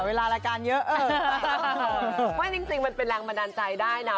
เวลารายการเยอะไม่จริงมันเป็นแรงบันดาลใจได้นะ